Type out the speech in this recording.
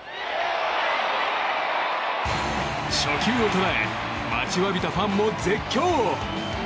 初球を捉え待ちわびたファンも絶叫。